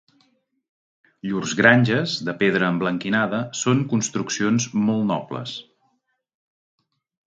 Llurs granges, de pedra emblanquinada, són construccions molt nobles